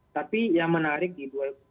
tapi yang menarik di dua ribu dua puluh